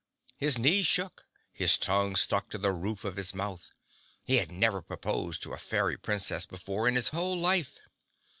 His knees shook, his tongue stuck to the roof of his mouth. He had never proposed to a Fairy Princess before in his whole life.